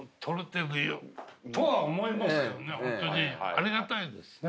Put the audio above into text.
ありがたいですね。